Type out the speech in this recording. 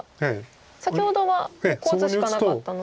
先ほどはここ打つしかなかったので。